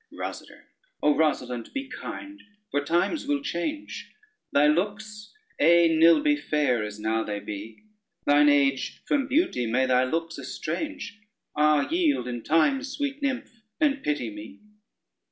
ROSADER O Rosalynde, be kind, for times will change, Thy looks ay nill be fair as now they be; Thine age from beauty may thy looks estrange: Ah, yield in time, sweet nymph, and pity me.